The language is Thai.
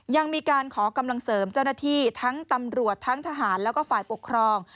ยังมีการขอกำลังเสริมเจ้าหน้าที่ทั้งตำรวจทั้งทหารแล้วก็ฝ่ายปกครอง